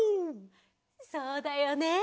そうだよね。